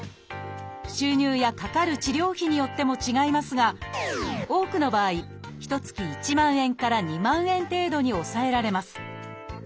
収入やかかる治療費によっても違いますが多くの場合ひと月１万円から２万円程度に抑えられます。